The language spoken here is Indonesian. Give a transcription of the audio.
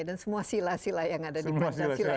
dan semua sila sila yang ada di perusahaan